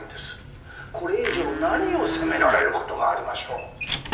これ以上何を責められることがありましょう。